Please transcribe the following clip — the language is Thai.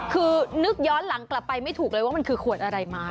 คือนึกย้อนหลังกลับไปไม่ถูกเลยว่ามันคือขวดอะไรมา